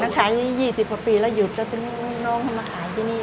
อ๋อนักขาย๒๐กว่าปีแล้วหยุดแล้วจึงน้องมาขายที่นี่